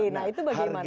nah itu bagaimana